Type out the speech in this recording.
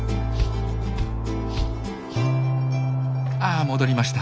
ああ戻りました。